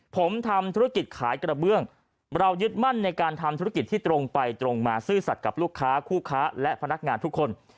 ผมทำธุรกิจขายกระเบื้องเรายึดมั่นในการทำธุรกิจที่ตรงไปตรงมาซื่อสัตว์กับลูกค้าคู่ค้าและพนักงานทุกคน